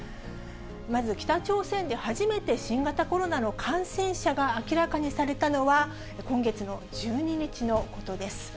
まず、北朝鮮で初めて新型コロナの感染者が明らかにされたのは、今月の１２日のことです。